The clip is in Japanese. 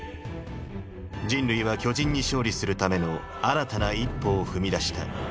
人類は巨人に勝利するための新たな一歩を踏み出した。